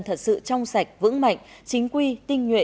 thật sự trong sạch vững mạnh chính quy tinh nhuệ